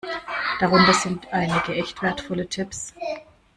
Darunter sind einige echt wertvolle Tipps.